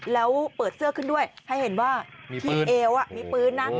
แล้วเปิดเสื้อขึ้นด้วยให้เห็นว่าที่เอวมีปืนนะ